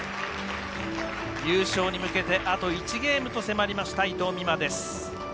優勝に向けてあと１ゲームと迫りました伊藤美誠です。